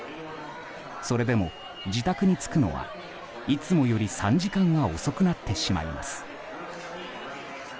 それでも自宅に着くのはいつもより３時間は遅くなってしまいます。